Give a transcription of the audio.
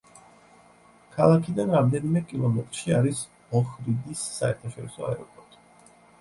ქალაქიდან რამდენიმე კილომეტრში არის ოჰრიდის საერთაშორისო აეროპორტი.